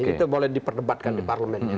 itu boleh diperdebatkan di parlemen